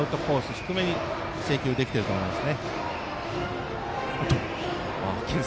低めに制球できていると思います。